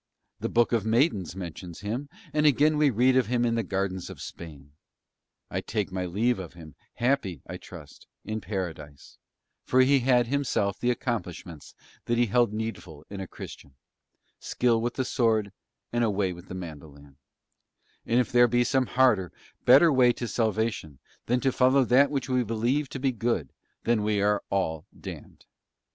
The Book of Maidens mentions him, and again we read of him in Gardens of Spain. I take my leave of him, happy, I trust, in Paradise, for he had himself the accomplishments that he held needful in a Christian, skill with the sword and a way with the mandolin; and if there be some harder, better way to salvation than to follow that which we believe to be good, then are we all damned.